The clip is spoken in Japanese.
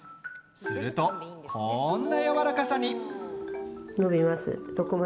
すると、こんなやわらかさに。